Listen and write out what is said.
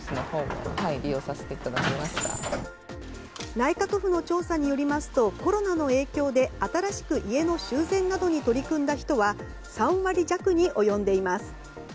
内閣府の調査によりますとコロナの影響で新しく家の修繕などに取り組んだ人は３割弱に及んでいます。